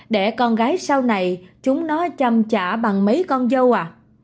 để con gái sau này chúng nó chăm trả bằng mấy con dâu à